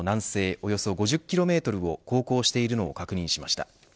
およそ５０キロメートルを航行しているのを確認しました。